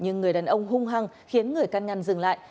nhưng người đàn ông hung hăng khiến người căn ngăn dừng lại